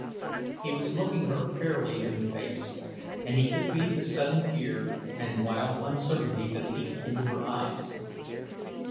He was looking her fairly in the face, and he could read the sudden fear and wild uncertainty that leaped into her eyes.